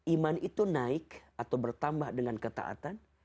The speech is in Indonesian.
iman itu naik atau bertambah dengan ketaatan